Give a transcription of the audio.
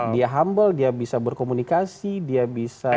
dia humble dia bisa berkomunikasi dia bisa